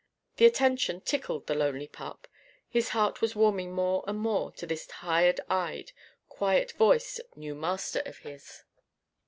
The attention tickled the lonely pup. His heart was warming more and more to this tired eyed, quiet voiced new master of his.